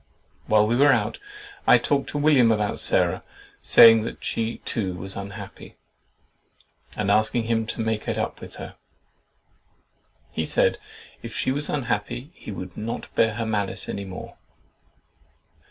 While we were out, I talked to William about Sarah, saying that she too was unhappy, and asking him to make it up with her. He said, if she was unhappy, he would not bear her malice any more.